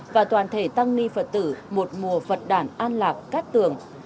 và toàn thể tăng ni phật tử một mùa phật đản an lạc cắt tưởng